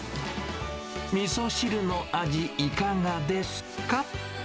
みそ汁の味、いかがですか？